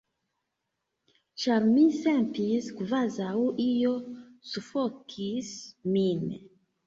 Ĉar mi sentis kvazaŭ io sufokis min.